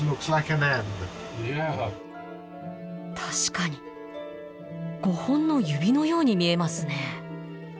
確かに５本の指のように見えますね。